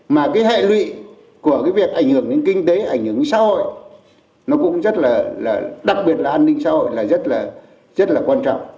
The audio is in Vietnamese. mà hệ lụy của việc ảnh hưởng đến kinh tế ảnh hưởng đến xã hội đặc biệt là an ninh xã hội là rất quan trọng